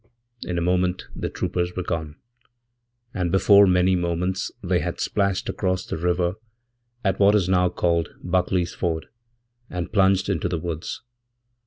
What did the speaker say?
'In a moment the troopers were gone, and before many moments they hadsplashed across the river at what is now called Buckley's Ford, andplunged into the woods.